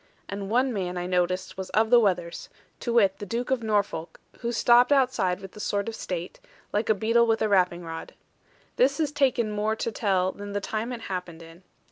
And one man I noticed was of the wethers, to wit the Duke of Norfolk; who stopped outside with the sword of state, like a beadle with a rapping rod. This has taken more to tell than the time it happened in.